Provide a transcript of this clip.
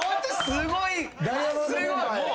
すごいもう。